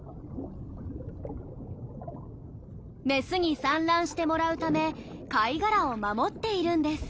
メスに産卵してもらうため貝殻を守っているんです。